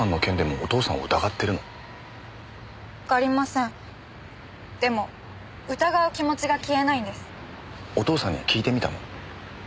お父さんには聞いてみたの？